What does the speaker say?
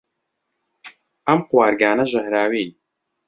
ئەم قوارگانە ژەهراوین.